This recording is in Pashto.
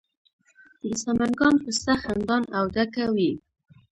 د سمنګان پسته خندان او ډکه وي.